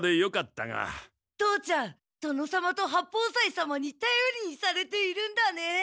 父ちゃん殿様と八方斎様にたよりにされているんだね！